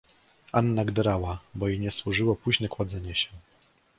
"Anna gderała, bo jej nie służyło późne kładzenie się."